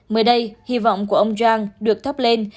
mới đây hy vọng của ông jong được thắp lên